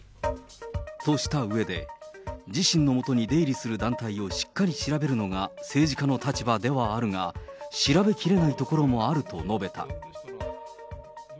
としたうえで、自身のもとに出入りする団体をしっかり調べるのが政治家の立場ではあるが、調べきれないところもあると述べた。